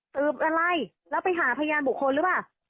สืบอะไรแล้วไปหาพยานบุคคลหรือเปล่า